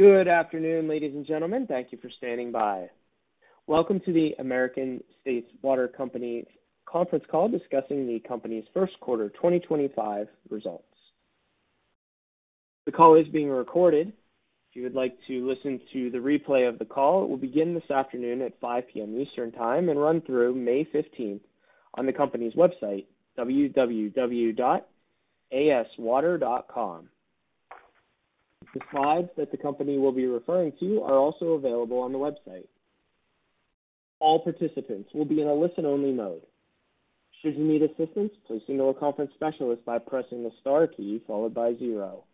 Good afternoon, ladies and gentlemen. Thank you for standing by. Welcome to the American States Water Company's conference call discussing the company's first quarter 2025 results. The call is being recorded. If you would like to listen to the replay of the call, it will begin this afternoon at 5:00 P.M. Eastern Time and run through May 15th on the company's website, www.aswater.com. The slides that the company will be referring to are also available on the website. All participants will be in a listen-only mode. Should you need assistance, please email a conference specialist by pressing the star key followed by zero.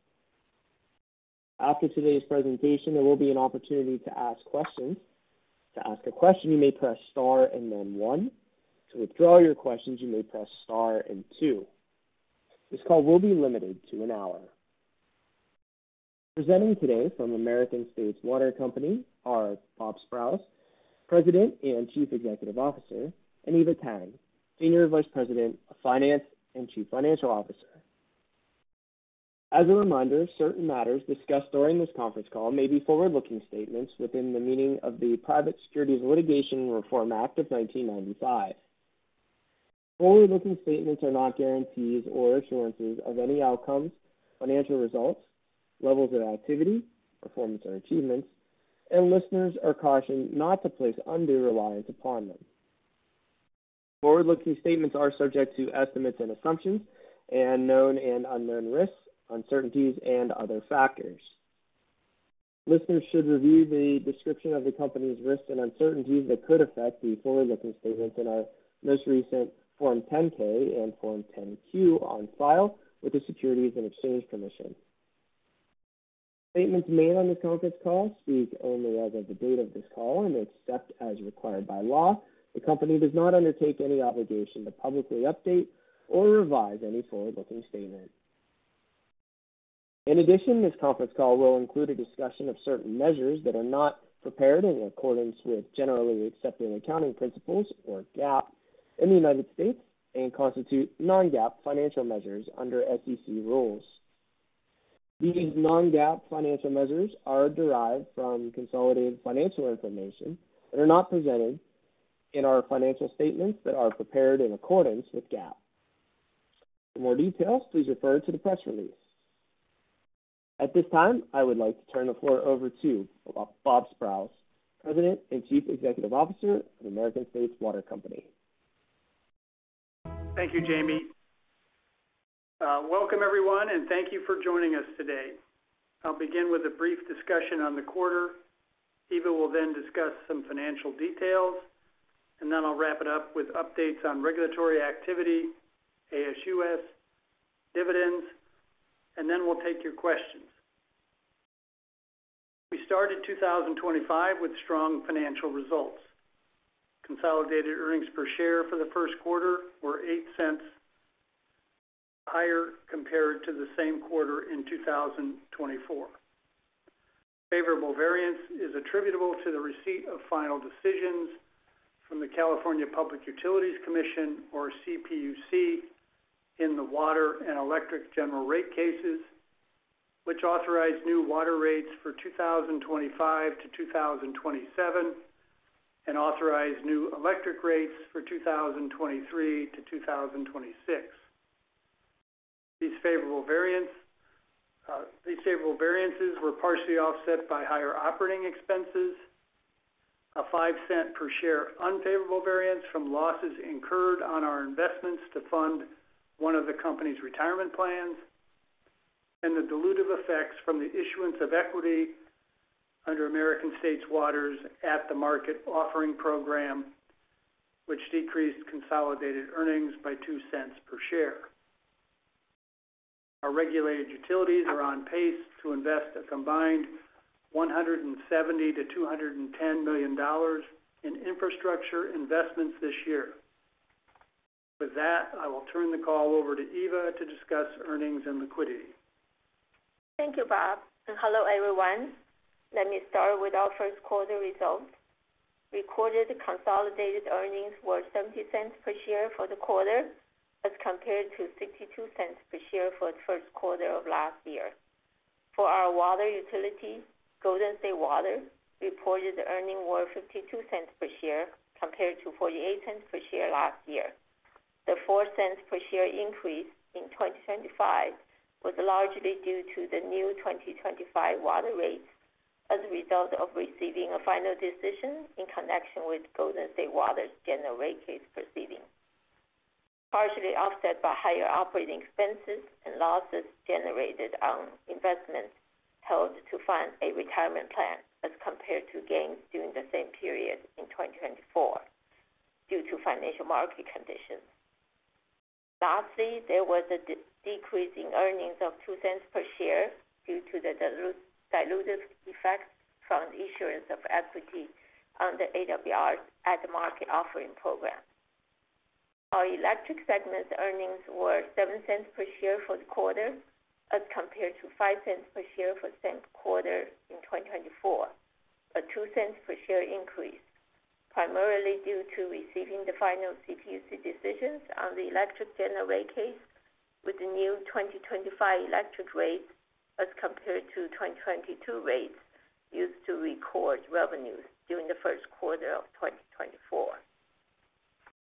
After today's presentation, there will be an opportunity to ask questions. To ask a question, you may press star and then one. To withdraw your questions, you may press star and two. This call will be limited to an hour. Presenting today from American States Water Company are Robert Sprowls, President and Chief Executive Officer, and Eva Tang, Senior Vice President of Finance and Chief Financial Officer. As a reminder, certain matters discussed during this conference call may be forward-looking statements within the meaning of the Private Securities Litigation Reform Act of 1995. Forward-looking statements are not guarantees or assurances of any outcomes, financial results, levels of activity, performance, or achievements, and listeners are cautioned not to place undue reliance upon them. Forward-looking statements are subject to estimates and assumptions and known and unknown risks, uncertainties, and other factors. Listeners should review the description of the company's risks and uncertainties that could affect the forward-looking statements in our most recent Form 10-K and Form 10-Q on file with the Securities and Exchange Commission. Statements made on this conference call speak only as of the date of this call and except as required by law. The company does not undertake any obligation to publicly update or revise any forward-looking statement. In addition, this conference call will include a discussion of certain measures that are not prepared in accordance with generally accepted accounting principles or GAAP in the United States and constitute non-GAAP financial measures under SEC rules. These non-GAAP financial measures are derived from consolidated financial information that are not presented in our financial statements that are prepared in accordance with GAAP. For more details, please refer to the press release. At this time, I would like to turn the floor over to Robert Sprowls, President and Chief Executive Officer of American States Water Company. Thank you, Jamie. Welcome, everyone, and thank you for joining us today. I'll begin with a brief discussion on the quarter. Eva will then discuss some financial details, and then I'll wrap it up with updates on regulatory activity, ASUS, dividends, and then we'll take your questions. We started 2025 with strong financial results. Consolidated earnings per share for the first quarter were $0.08, higher compared to the same quarter in 2024. Favorable variance is attributable to the receipt of final decisions from the California Public Utilities Commission, or CPUC, in the water and electric general rate cases, which authorized new water rates for 2025 to 2027 and authorized new electric rates for 2023 to 2026. These favorable variances were partially offset by higher operating expenses, a $0.05 per share unfavorable variance from losses incurred on our investments to fund one of the company's retirement plans, and the dilutive effects from the issuance of equity under American States Water's at the market offering program, which decreased consolidated earnings by $0.02 per share. Our regulated utilities are on pace to invest a combined $170 million-$210 million in infrastructure investments this year. With that, I will turn the call over to Eva to discuss earnings and liquidity. Thank you, Bob. Hello, everyone. Let me start with our first quarter results. Recorded consolidated earnings were $0.70 per share for the quarter as compared to $0.62 per share for the first quarter of last year. For our water utility, Golden State Water reported earning $0.52 per share compared to $0.48 per share last year. The $0.04 per share increase in 2025 was largely due to the new 2025 water rates as a result of receiving a final decision in connection with Golden State Water's general rate case proceedings, partially offset by higher operating expenses and losses generated on investments held to fund a retirement plan as compared to gains during the same period in 2024 due to financial market conditions. Lastly, there was a decrease in earnings of $0.02 per share due to the dilutive effects from the issuance of equity under AWR's at the market offering program. Our electric segment's earnings were $0.07 per share for the quarter as compared to $0.05 per share for the same quarter in 2024, a $0.02 per share increase primarily due to receiving the final CPUC decisions on the electric general rate case with the new 2025 electric rates as compared to 2022 rates used to record revenues during the first quarter of 2024.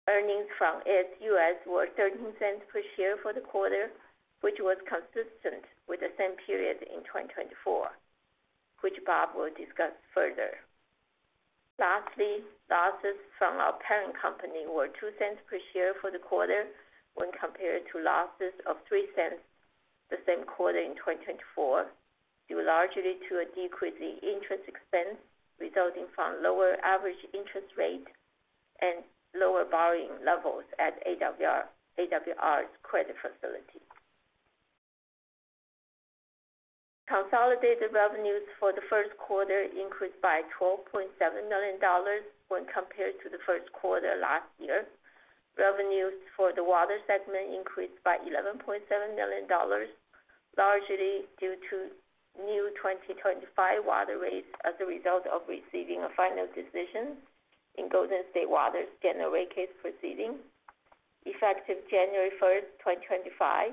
Earnings from ASUS were $0.13 per share for the quarter, which was consistent with the same period in 2024, which Bob will discuss further. Lastly, losses from our parent company were $0.02 per share for the quarter when compared to losses of $0.03 the same quarter in 2024 due largely to a decrease in interest expense resulting from lower average interest rate and lower borrowing levels at AWR's Credit Facility. Consolidated revenues for the first quarter increased by $12.7 million when compared to the first quarter last year. Revenues for the water segment increased by $11.7 million, largely due to new 2025 water rates as a result of receiving a final decision in Golden State Water's general rate case proceedings. Effective January 1, 2025,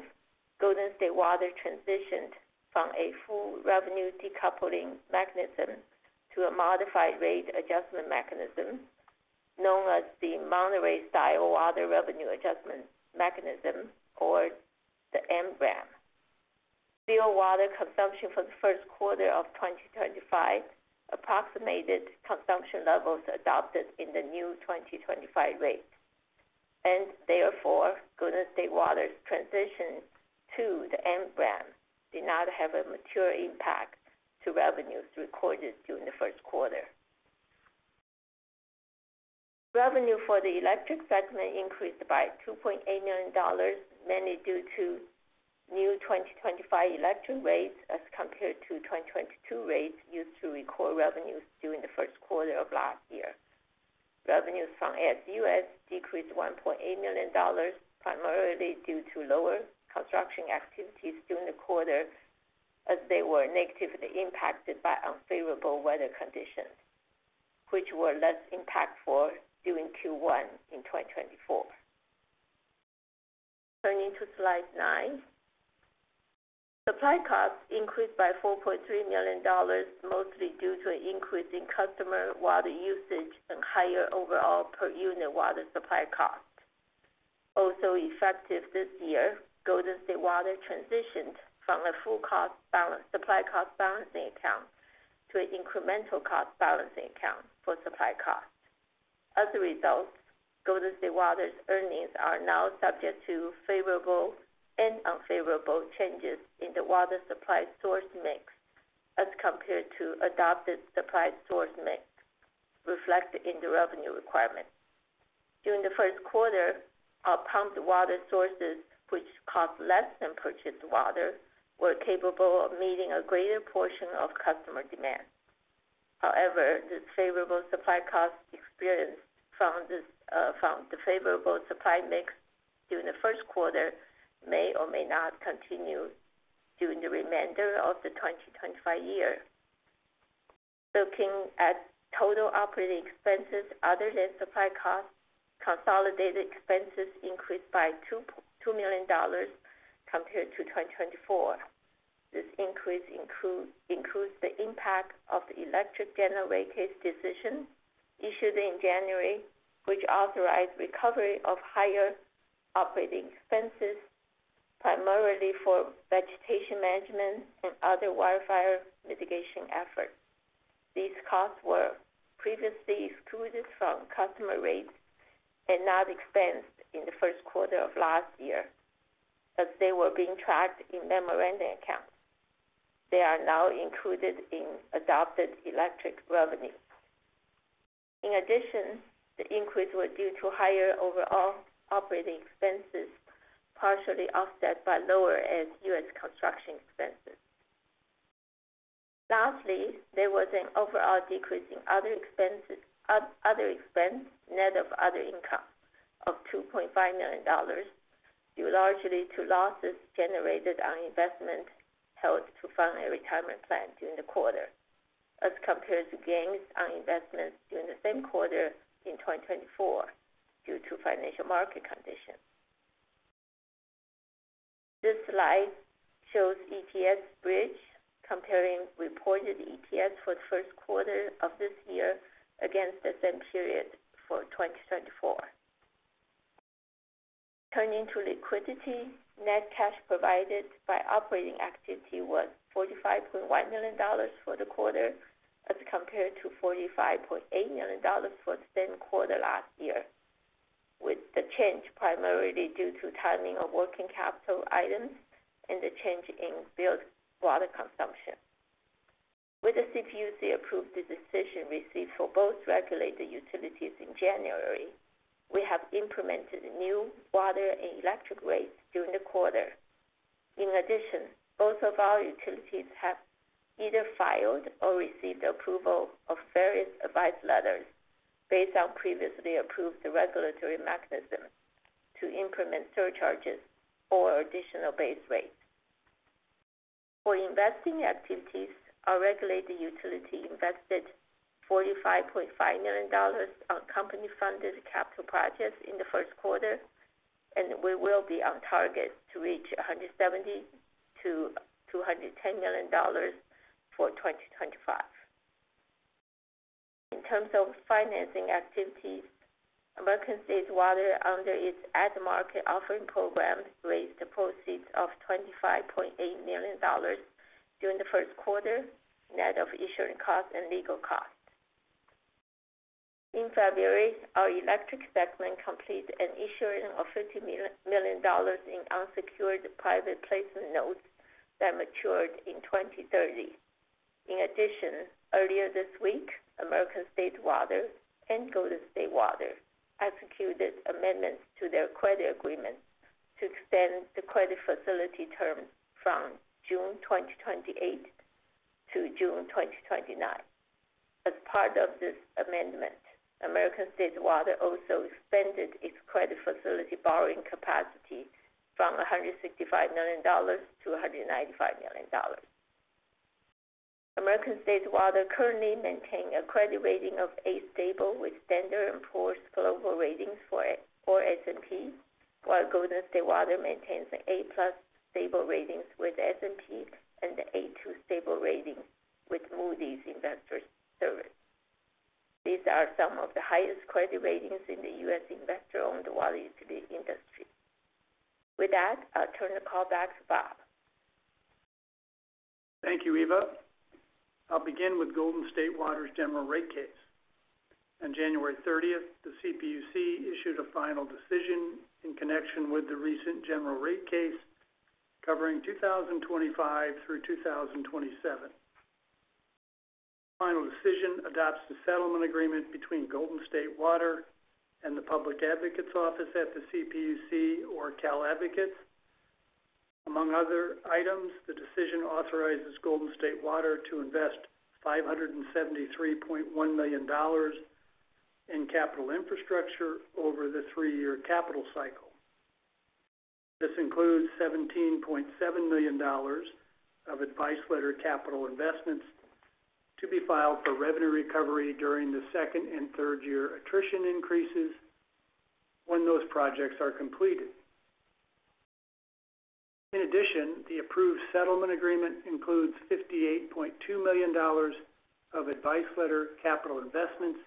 Golden State Water transitioned from a full revenue decoupling mechanism to a modified rate adjustment mechanism known as the Monterey Style Water Revenue Adjustment Mechanism, or the MRAM. Fuel water consumption for the first quarter of 2025 approximated consumption levels adopted in the new 2025 rate. Therefore, Golden State Water's transition to the MRAM did not have a material impact to revenues recorded during the first quarter. Revenue for the electric segment increased by $2.8 million, mainly due to new 2025 electric rates as compared to 2022 rates used to record revenues during the first quarter of last year. Revenues from ASUS decreased $1.8 million primarily due to lower construction activities during the quarter as they were negatively impacted by unfavorable weather conditions, which were less impactful during Q1 in 2024. Turning to slide nine, supply costs increased by $4.3 million, mostly due to an increase in customer water usage and higher overall per unit water supply cost. Also effective this year, Golden State Water transitioned from a full supply cost balancing account to an incremental cost balancing account for supply cost. As a result, Golden State Water's earnings are now subject to favorable and unfavorable changes in the water supply source mix as compared to adopted supply source mix reflected in the revenue requirements. During the first quarter, our pumped water sources, which cost less than purchased water, were capable of meeting a greater portion of customer demand. However, this favorable supply cost experience from the favorable supply mix during the first quarter may or may not continue during the remainder of the 2025 year. Looking at total operating expenses other than supply cost, consolidated expenses increased by $2 million compared to 2024. This increase includes the impact of the electric general rate case decision issued in January, which authorized recovery of higher operating expenses primarily for vegetation management and other wildfire mitigation efforts. These costs were previously excluded from customer rates and not expensed in the first quarter of last year as they were being tracked in memorandum accounts. They are now included in adopted electric revenues. In addition, the increase was due to higher overall operating expenses partially offset by lower ASUS construction expenses. Lastly, there was an overall decrease in other expenses net of other income of $2.5 million due largely to losses generated on investments held to fund a retirement plan during the quarter as compared to gains on investments during the same quarter in 2024 due to financial market conditions. This slide shows EPS bridge comparing reported EPS for the first quarter of this year against the same period for 2024. Turning to liquidity, net cash provided by operating activity was $45.1 million for the quarter as compared to $45.8 million for the same quarter last year, with the change primarily due to timing of working capital items and the change in billed water consumption. With the CPUC approved decision received for both regulated utilities in January, we have implemented new water and electric rates during the quarter. In addition, both of our utilities have either filed or received approval of various advice letters based on previously approved regulatory mechanisms to implement surcharges or additional base rates. For investing activities, our regulated utility invested $45.5 million on company-funded capital projects in the first quarter, and we will be on target to reach $170-$210 million for 2025. In terms of financing activities, American States Water under its at the market offering program raised proceeds of $25.8 million during the first quarter net of issuing costs and legal costs. In February, our electric segment completed an issuing of $50 million in unsecured private placement notes that mature in 2030. In addition, earlier this week, American States Water and Golden State Water executed amendments to their credit agreement to extend the credit facility terms from June 2028 to June 2029. As part of this amendment, American States Water also expanded its credit facility borrowing capacity from $165 million to $195 million. American States Water currently maintained a credit rating of A stable with Standard & Poor's global ratings for S&P, while Golden State Water maintains an A plus stable rating with S&P and an A2 stable rating with Moody's Investor Service. These are some of the highest credit ratings in the U.S. investor-owned water utility industry. With that, I'll turn the call back to Bob. Thank you, Eva. I'll begin with Golden State Water's general rate case. On January 30, the CPUC issued a final decision in connection with the recent general rate case covering 2025 through 2027. The final decision adopts the settlement agreement between Golden State Water and the Public Advocates Office at the CPUC, or Cal Advocates. Among other items, the decision authorizes Golden State Water to invest $573.1 million in capital infrastructure over the three-year capital cycle. This includes $17.7 million of advice letter capital investments to be filed for revenue recovery during the second and third-year attrition increases when those projects are completed. In addition, the approved settlement agreement includes $58.2 million of advice letter capital investments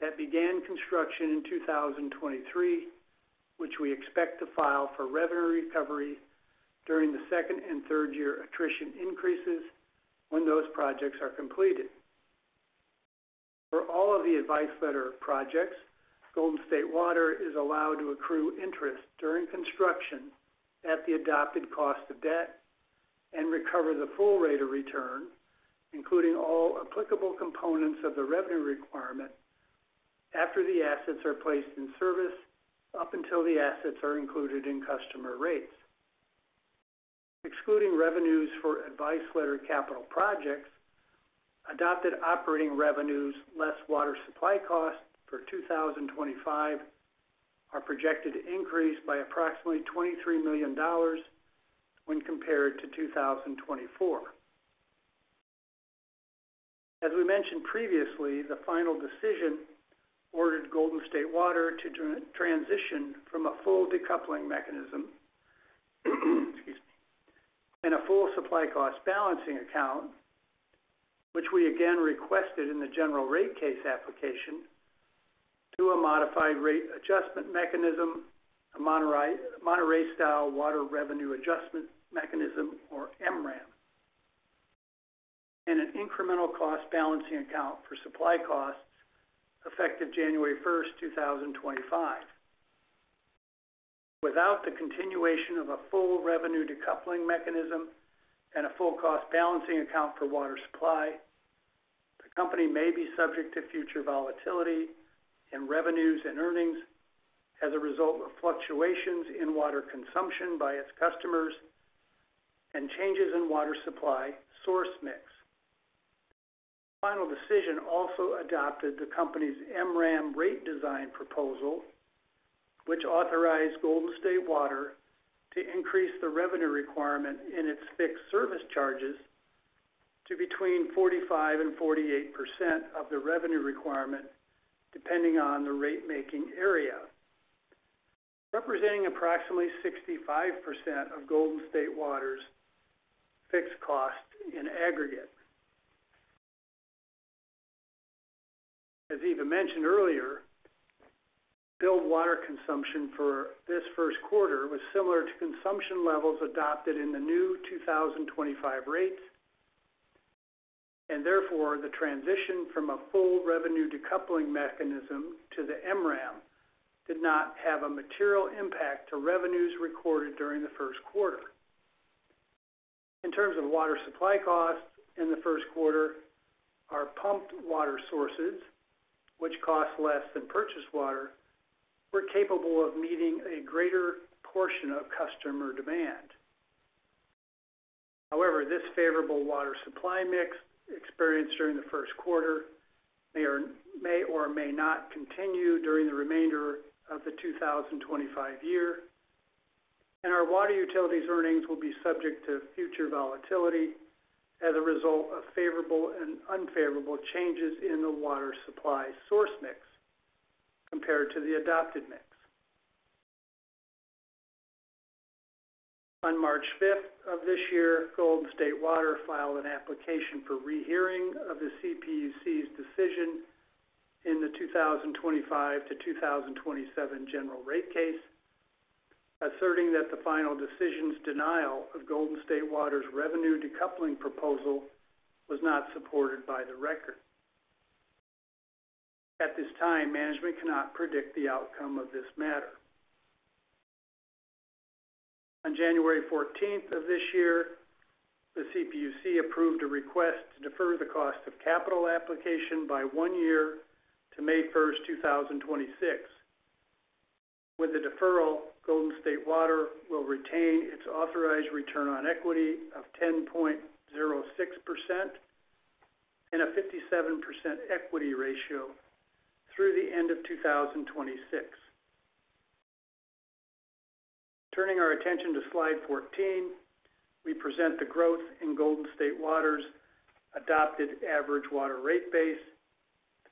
that began construction in 2023, which we expect to file for revenue recovery during the second and third-year attrition increases when those projects are completed. For all of the advice letter projects, Golden State Water is allowed to accrue interest during construction at the adopted cost of debt and recover the full rate of return, including all applicable components of the revenue requirement after the assets are placed in service up until the assets are included in customer rates. Excluding revenues for advice letter capital projects, adopted operating revenues less water supply cost for 2025 are projected to increase by approximately $23 million when compared to 2024. As we mentioned previously, the final decision ordered Golden State Water to transition from a full decoupling mechanism and a full supply cost balancing account, which we again requested in the general rate case application, to a modified rate adjustment mechanism, a Monterey Style Water Revenue Adjustment Mechanism, or MRAM, and an incremental cost balancing account for supply costs effective January 1, 2025. Without the continuation of a full revenue decoupling mechanism and a full cost balancing account for water supply, the company may be subject to future volatility in revenues and earnings as a result of fluctuations in water consumption by its customers and changes in water supply source mix. The final decision also adopted the company's MRAM rate design proposal, which authorized Golden State Water to increase the revenue requirement in its fixed service charges to between 45%-48% of the revenue requirement depending on the rate-making area, representing approximately 65% of Golden State Water's fixed cost in aggregate. As Eva mentioned earlier, billed water consumption for this first quarter was similar to consumption levels adopted in the new 2025 rates, and therefore the transition from a full revenue decoupling mechanism to the MRAM did not have a material impact to revenues recorded during the first quarter. In terms of water supply costs in the first quarter, our pumped water sources, which cost less than purchased water, were capable of meeting a greater portion of customer demand. However, this favorable water supply mix experienced during the first quarter may or may not continue during the remainder of the 2025 year, and our water utilities' earnings will be subject to future volatility as a result of favorable and unfavorable changes in the water supply source mix compared to the adopted mix. On March 5 of this year, Golden State Water filed an application for rehearing of the CPUC's decision in the 2025 to 2027 general rate case, asserting that the final decision's denial of Golden State Water's revenue decoupling proposal was not supported by the record. At this time, management cannot predict the outcome of this matter. On January 14th of this year, the CPUC approved a request to defer the cost of capital application by one year to May 1st, 2026. With the deferral, Golden State Water will retain its authorized return on equity of 10.06% and a 57% equity ratio through the end of 2026. Turning our attention to slide 14, we present the growth in Golden State Water's adopted average water rate base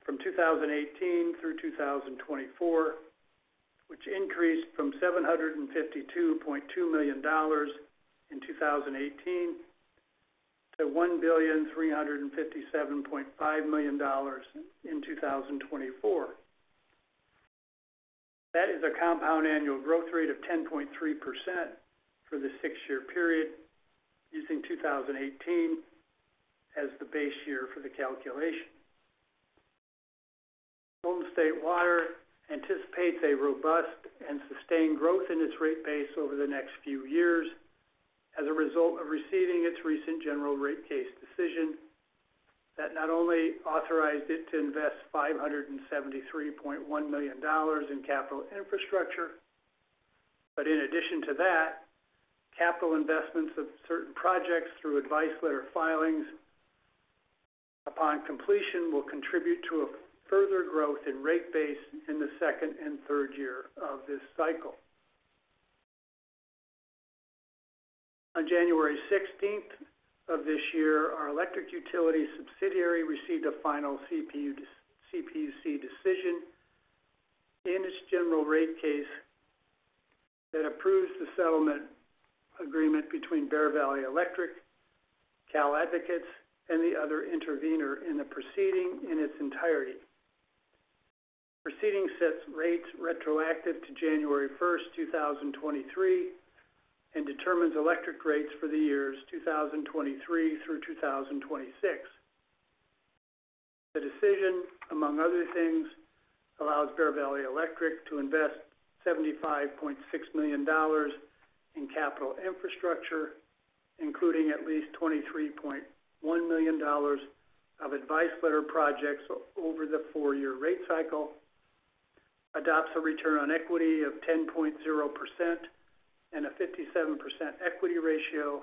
from 2018 through 2024, which increased from $752.2 million in 2018 to $1,357.5 million in 2024. That is a compound annual growth rate of 10.3% for the six-year period, using 2018 as the base year for the calculation. Golden State Water anticipates a robust and sustained growth in its rate base over the next few years as a result of receiving its recent general rate case decision that not only authorized it to invest $573.1 million in capital infrastructure, but in addition to that, capital investments of certain projects through advice letter filings upon completion will contribute to a further growth in rate base in the second and third year of this cycle. On January 16th of this year, our electric utility subsidiary received a final CPUC decision in its general rate case that approves the settlement agreement between Bear Valley Electric, Cal Advocates, and the other intervenor in the proceeding in its entirety. The proceeding sets rates retroactive to January 1st, 2023, and determines electric rates for the years 2023 through 2026. The decision, among other things, allows Bear Valley Electric to invest $75.6 million in capital infrastructure, including at least $23.1 million of advice letter projects over the four-year rate cycle, adopts a return on equity of 10% and a 57% equity ratio,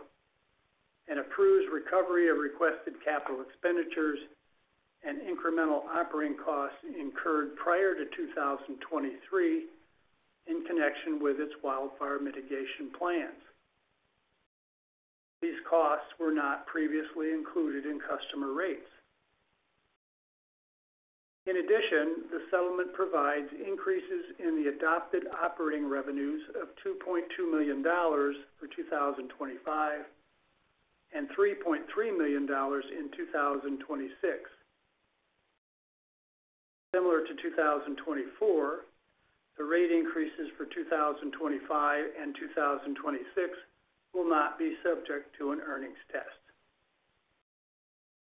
and approves recovery of requested capital expenditures and incremental operating costs incurred prior to 2023 in connection with its wildfire mitigation plans. These costs were not previously included in customer rates. In addition, the settlement provides increases in the adopted operating revenues of $2.2 million for 2025 and $3.3 million in 2026. Similar to 2024, the rate increases for 2025 and 2026 will not be subject to an earnings test.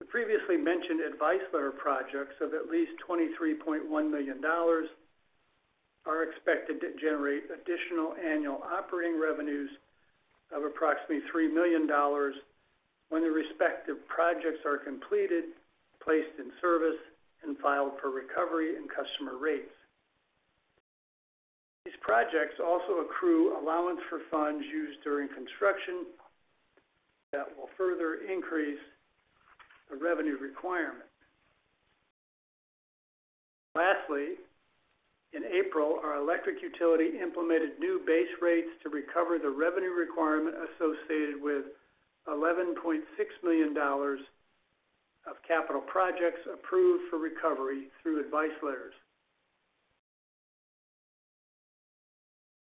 The previously mentioned advice letter projects of at least $23.1 million are expected to generate additional annual operating revenues of approximately $3 million when the respective projects are completed, placed in service, and filed for recovery and customer rates. These projects also accrue allowance for funds used during construction that will further increase the revenue requirement. Lastly, in April, our electric utility implemented new base rates to recover the revenue requirement associated with $11.6 million of capital projects approved for recovery through advice letters.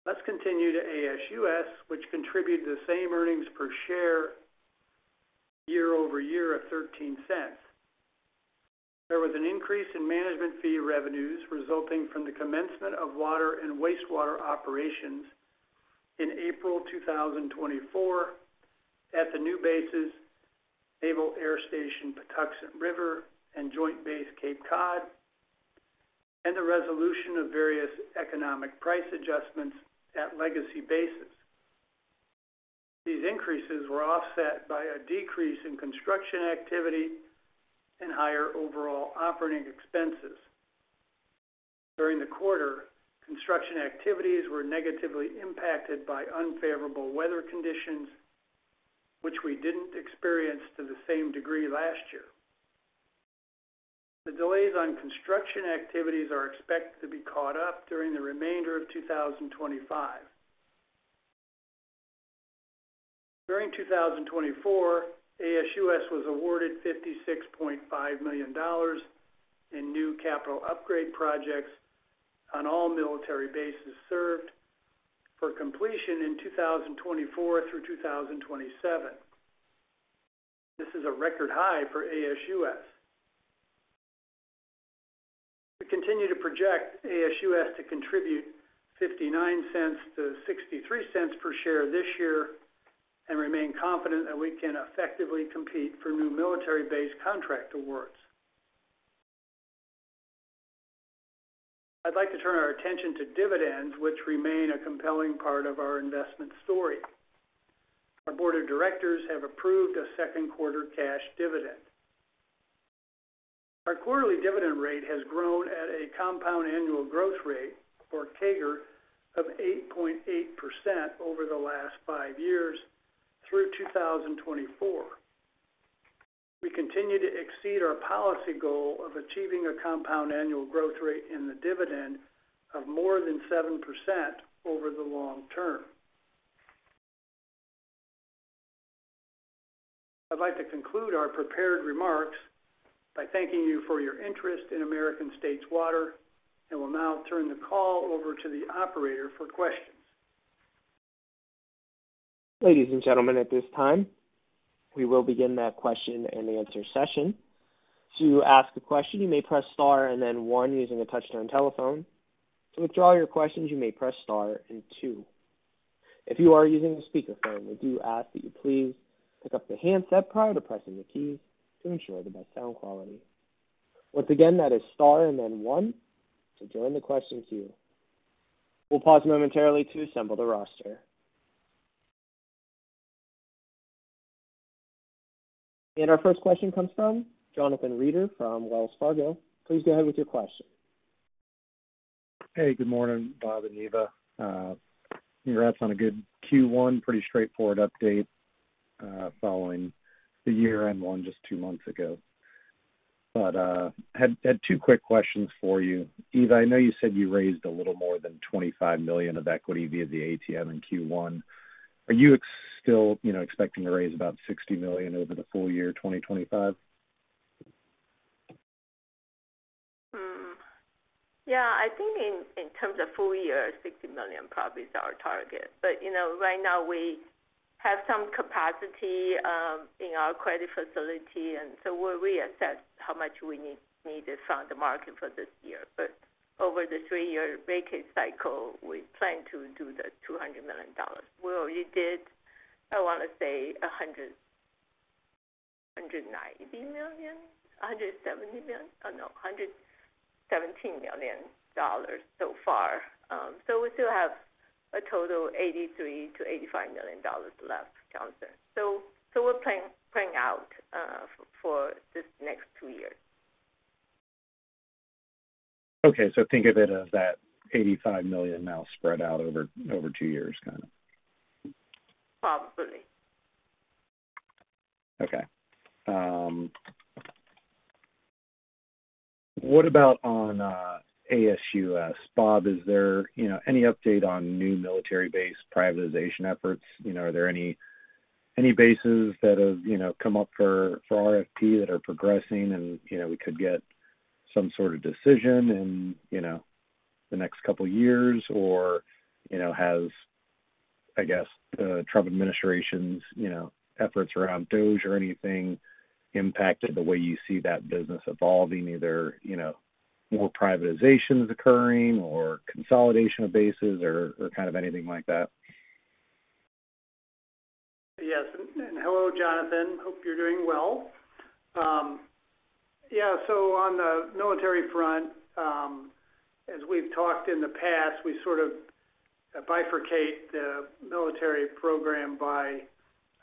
Let's continue to ASUS, which contributed the same earnings per share year over year of $0.13. There was an increase in management fee revenues resulting from the commencement of water and wastewater operations in April 2024 at the new bases, Naval Air Station Patuxent River and Joint Base Cape Cod, and the resolution of various economic price adjustments at legacy bases. These increases were offset by a decrease in construction activity and higher overall operating expenses. During the quarter, construction activities were negatively impacted by unfavorable weather conditions, which we didn't experience to the same degree last year. The delays on construction activities are expected to be caught up during the remainder of 2025. During 2024, ASUS was awarded $56.5 million in new capital upgrade projects on all military bases served for completion in 2024 through 2027. This is a record high for ASUS. We continue to project ASUS to contribute $0.59-$0.63 per share this year and remain confident that we can effectively compete for new military-based contract awards. I'd like to turn our attention to dividends, which remain a compelling part of our investment story. Our board of directors have approved a second-quarter cash dividend. Our quarterly dividend rate has grown at a compound annual growth rate or CAGR of 8.8% over the last five years through 2024. We continue to exceed our policy goal of achieving a compound annual growth rate in the dividend of more than 7% over the long term. I'd like to conclude our prepared remarks by thanking you for your interest in American States Water and will now turn the call over to the operator for questions. Ladies and gentlemen, at this time, we will begin that question and answer session. To ask a question, you may press Star and then one using a touch-tone telephone. To withdraw your questions, you may press Star and two. If you are using a speakerphone, we do ask that you please pick up the handset prior to pressing the keys to ensure the best sound quality. Once again, that is Star and then 1 to join the question queue. We'll pause momentarily to assemble the roster. Our first question comes from Jonathan Reeder from Wells Fargo. Please go ahead with your question. Hey, good morning, Bob and Eva. Congrats on a good Q1, pretty straightforward update following the year-end one just two months ago. I had two quick questions for you. Eva, I know you said you raised a little more than $25 million of equity via the ATM in Q1. Are you still expecting to raise about $60 million over the full year 2025? Yeah, I think in terms of full year, $60 million probably is our target. Right now, we have some capacity in our credit facility, and so we'll reassess how much we need from the market for this year. Over the three-year rate case cycle, we plan to do the $200 million. We already did, I want to say, $190 million, $170 million, no, $117 million so far. We still have a total of $83-$85 million left, Jonathan. We're planning out for this next two years. Okay. Think of it as that $85 million now spread out over two years, kind of. Probably. Okay. What about on ASUS? Bob, is there any update on new military base privatization efforts? Are there any bases that have come up for RFP that are progressing and we could get some sort of decision in the next couple of years? Or has, I guess, the Trump administration's efforts around DOGE or anything impacted the way you see that business evolving, either more privatizations occurring or consolidation of bases or kind of anything like that? Yes. Hello, Jonathan. Hope you're doing well. Yeah. On the military front, as we've talked in the past, we sort of bifurcate the military program by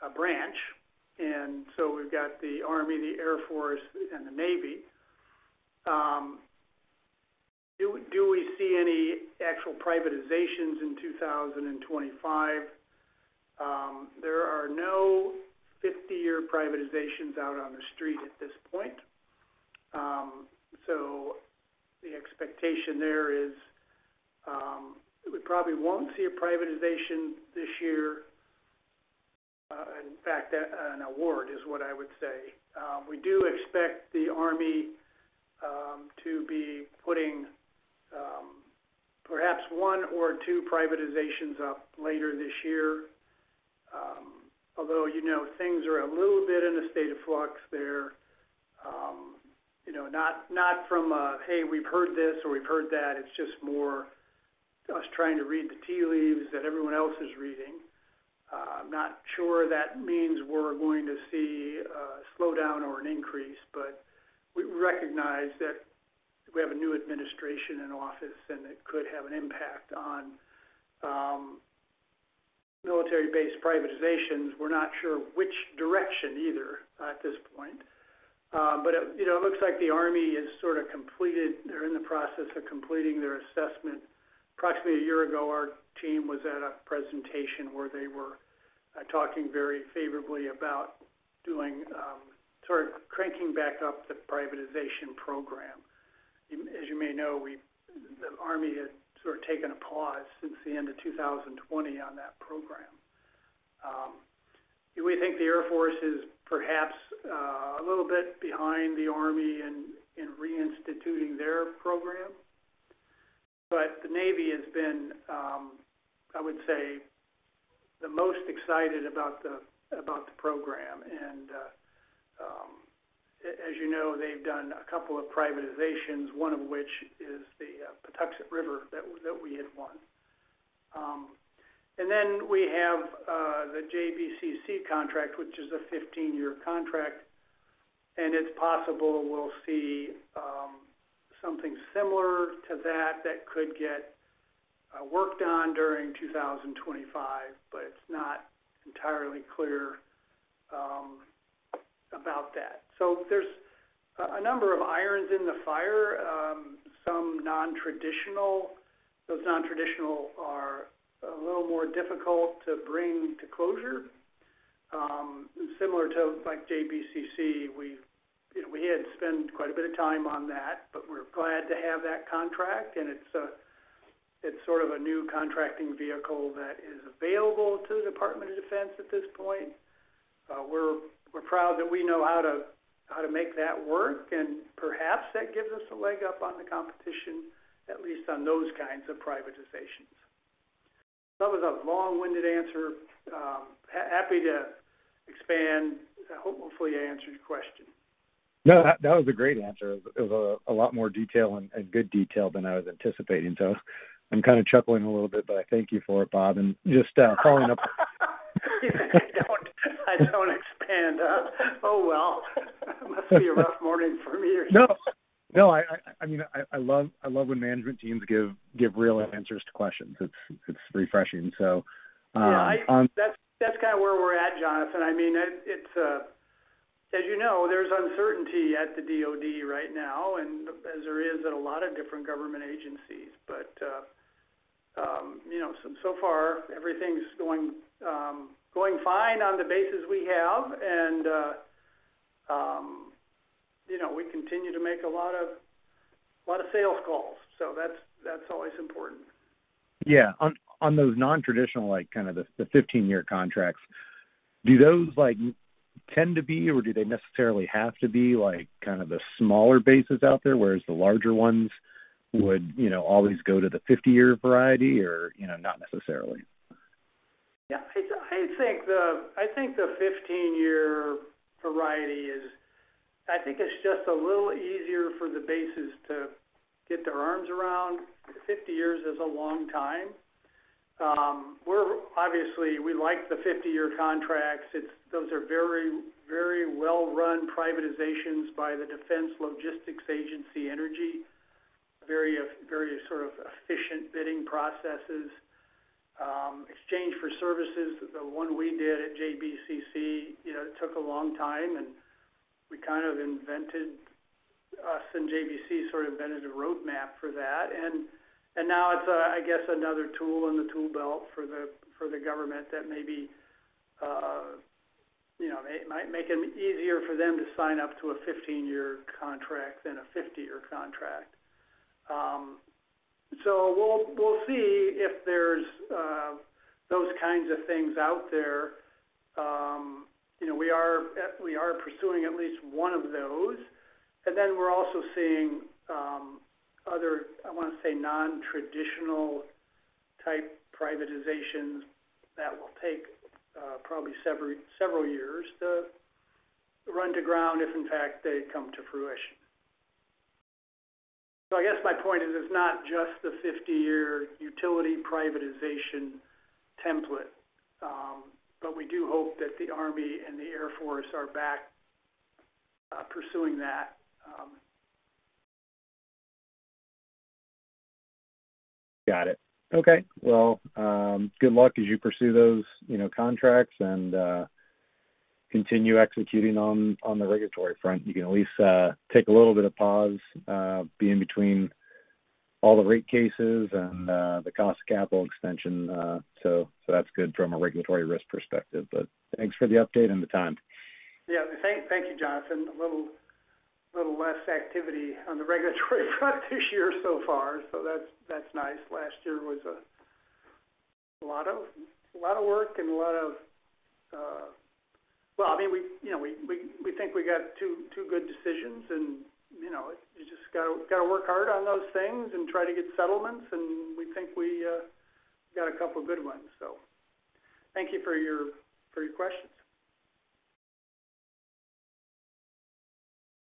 a branch. We've got the Army, the Air Force, and the Navy. Do we see any actual privatizations in 2025? There are no 50-year privatizations out on the street at this point. The expectation there is we probably won't see a privatization this year. In fact, an award is what I would say. We do expect the Army to be putting perhaps one or two privatizations up later this year. Although things are a little bit in a state of flux there, not from a, "Hey, we've heard this or we've heard that." It's just more us trying to read the tea leaves that everyone else is reading. I'm not sure that means we're going to see a slowdown or an increase, but we recognize that we have a new administration in office and it could have an impact on military-based privatizations. We're not sure which direction either at this point. It looks like the Army is sort of completed; they're in the process of completing their assessment. Approximately a year ago, our team was at a presentation where they were talking very favorably about sort of cranking back up the privatization program. As you may know, the Army had sort of taken a pause since the end of 2020 on that program. We think the Air Force is perhaps a little bit behind the Army in reinstituting their program. The Navy has been, I would say, the most excited about the program. As you know, they've done a couple of privatizations, one of which is the Patuxent River that we had won. We have the JBCC contract, which is a 15-year contract. It is possible we'll see something similar to that that could get worked on during 2025, but it's not entirely clear about that. There are a number of irons in the fire, some non-traditional. Those non-traditional are a little more difficult to bring to closure. Similar to JBCC, we had spent quite a bit of time on that, but we're glad to have that contract. It is sort of a new contracting vehicle that is available to the Department of Defense at this point. We're proud that we know how to make that work, and perhaps that gives us a leg up on the competition, at least on those kinds of privatizations. That was a long-winded answer. Happy to expand. Hopefully, I answered your question. No, that was a great answer. It was a lot more detail and good detail than I was anticipating. I am kind of chuckling a little bit, but I thank you for it, Bob. Just following up. I do not expand. Oh, it must be a rough morning for me or you. No, no. I mean, I love when management teams give real answers to questions. It is refreshing. That is kind of where we are at, Jonathan. I mean, as you know, there is uncertainty at the DOD right now, as there is at a lot of different government agencies. So far, everything is going fine on the bases we have, and we continue to make a lot of sales calls. That is always important. Yeah. On those non-traditional, kind of the 15-year contracts, do those tend to be, or do they necessarily have to be kind of the smaller bases out there, whereas the larger ones would always go to the 50-year variety or not necessarily? Yeah. I think the 15-year variety is, I think it's just a little easier for the bases to get their arms around. Fifty years is a long time. Obviously, we like the 50-year contracts. Those are very, very well-run privatizations by the Defense Logistics Agency Energy, very sort of efficient bidding processes. Exchange for services, the one we did at JBCC, it took a long time, and we kind of invented, us and JBCC sort of invented a roadmap for that. It is, I guess, another tool in the toolbelt for the government that maybe might make it easier for them to sign up to a 15-year contract than a 50-year contract. We will see if there are those kinds of things out there. We are pursuing at least one of those. We are also seeing other, I want to say, non-traditional type privatizations that will take probably several years to run to ground if, in fact, they come to fruition. My point is it is not just the 50-year utility privatization template, but we do hope that the Army and the Air Force are back pursuing that. Got it. Good luck as you pursue those contracts and continue executing on the regulatory front. You can at least take a little bit of pause, be in between all the rate cases and the cost of capital extension. That is good from a regulatory risk perspective. Thank you for the update and the time. Yeah. Thank you, Jonathan. A little less activity on the regulatory front this year so far. That is nice. Last year was a lot of work and a lot of, I mean, we think we got two good decisions, and you just got to work hard on those things and try to get settlements. We think we got a couple of good ones. Thank you for your questions.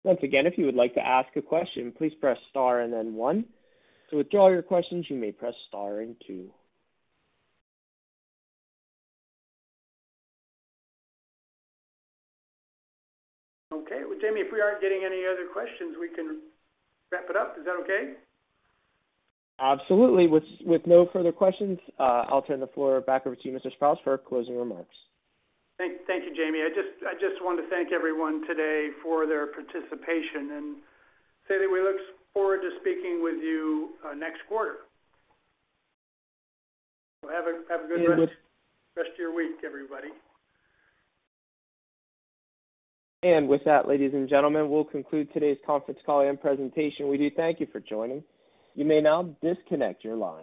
Once again, if you would like to ask a question, please press Star and then one. To withdraw your questions, you may press Star and two. Okay. Jamie, if we aren't getting any other questions, we can wrap it up. Is that okay? Absolutely. With no further questions, I'll turn the floor back over to you, Mr. Sprowls, for closing remarks. Thank you, Jamie. I just want to thank everyone today for their participation and say that we look forward to speaking with you next quarter. Have a good rest of your week, everybody. With that, ladies and gentlemen, we'll conclude today's conference call and presentation. We do thank you for joining. You may now disconnect your line.